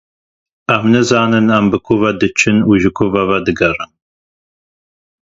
Em nizanin em bi ku ve diçin û ji ku ve vedigerin.